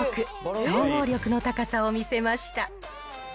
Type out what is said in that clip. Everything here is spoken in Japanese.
総合力の高さを見せました。